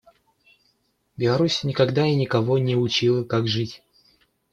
Беларусь никогда и никого не учила как жить.